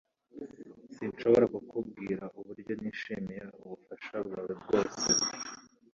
Sinshobora kukubwira uburyo nishimiye ubufasha bwawe bwose